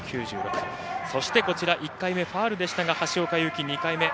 そして、１回目ファウルでしたが、橋岡優輝２回目。